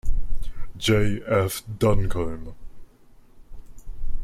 J. F. Duncombe.